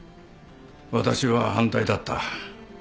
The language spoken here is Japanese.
私は反対だった。